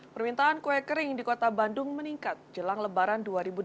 permintaan kue kering di kota bandung meningkat jelang lebaran dua ribu delapan belas